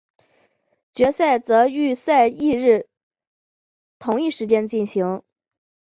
决赛则于预赛翌日同一时间进行。